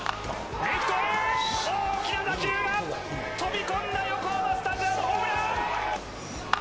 レフトへ、大きな打球が飛び込んだ、横浜スタジアム、ホームラン。